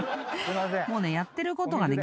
［もうねやってることがね